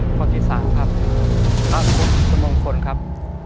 ตัวเลือกที่สามครับพระพุทธมงคลครับ